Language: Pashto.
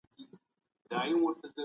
قاضي د فساد کوونکي په اړه پرېکړه وکړه.